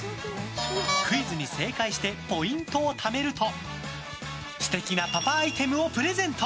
クイズに正解してポイントをためると素敵なパパアイテムをプレゼント。